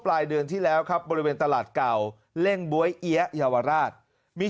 ปลายเดือนที่แล้วครับบริเวณตลาดเก่าเล่งบ๊วยเอี๊ยะเยาวราชมี